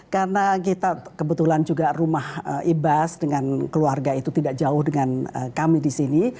karena kita kebetulan juga rumah ibas dengan keluarga itu tidak jauh dengan kami di sini